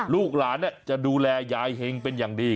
ลูกหลานจะดูแลยายเฮงเป็นอย่างดี